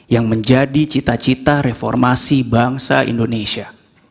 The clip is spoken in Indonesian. yang menjadi cita cita reformasi bangsa indonesia